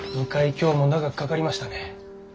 今日も長くかかりましたね。